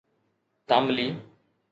تاملي